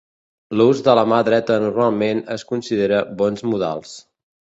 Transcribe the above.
L'ús de la ma dreta normalment es considera bons modals.